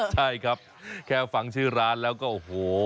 ใช่ครับแค่ฟังชื่อร้านแล้วก็โอ้โห